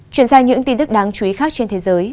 chuyển sang những tin tức đáng chú ý khác trên thế giới